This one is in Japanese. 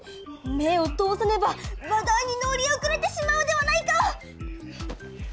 目を通さねば話題に乗り遅れてしまうではないか！